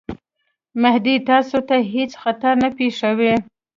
مهدي تاسي ته هیڅ خطر نه پېښوي.